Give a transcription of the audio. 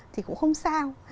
thì cũng không sao